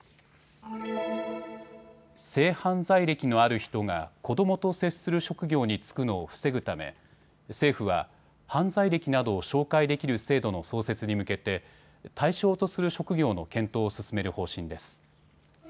性犯罪歴のある人が子どもと接する職業に就くのを防ぐため政府は犯罪歴などを照会できる制度の創設に向けて対象とする職業の検討を進める方針です。